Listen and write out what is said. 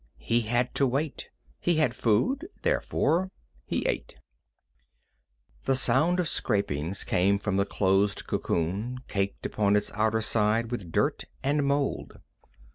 He had to wait. He had food. Therefore, he ate. The sound of scrapings came from the closed cocoon, caked upon its outer side with dirt and mold.